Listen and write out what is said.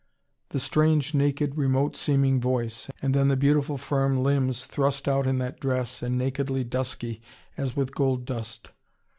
The strange, naked, remote seeming voice! And then the beautiful firm limbs thrust out in that dress, and nakedly dusky as with gold dust.